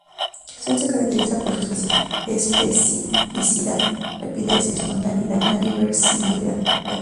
La reacción se caracteriza por su especificidad, rapidez, espontaneidad y reversibilidad.